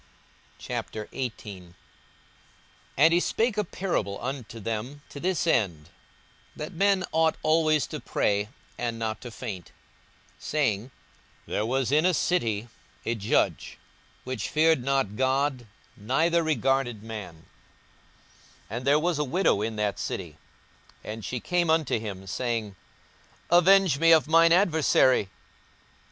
42:018:001 And he spake a parable unto them to this end, that men ought always to pray, and not to faint; 42:018:002 Saying, There was in a city a judge, which feared not God, neither regarded man: 42:018:003 And there was a widow in that city; and she came unto him, saying, Avenge me of mine adversary.